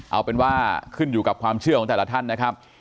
เอาเป็นว่าขึ้นอยู่กับความเชื่อของแต่ละท่านนะครับ